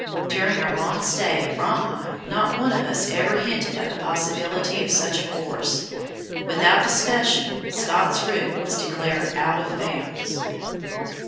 During our long stay at Framheim not one of us ever hinted at the possibility of such a course. Without discussion Scott's route was declared out of bounds.